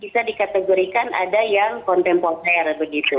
bisa dikategorikan ada yang kontemporer begitu